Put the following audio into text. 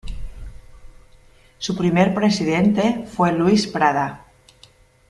Su primer presidente fue "Luis Prada".